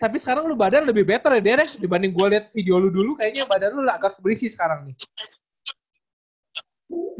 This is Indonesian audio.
tapi sekarang lu badan lebih better ya dere dibanding gua liat video lu dulu kayaknya badan lu agak berisi sekarang nih